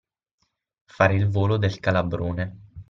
Fare il volo del calabrone.